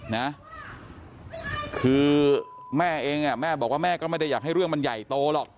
นะคือแม่เองอ่ะแม่บอกว่าแม่ก็ไม่ได้อยากให้เรื่องมันใหญ่โตหรอก